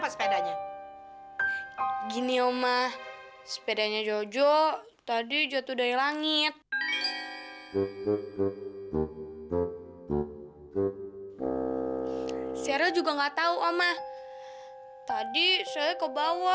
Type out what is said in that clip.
sampai jumpa di video selanjutnya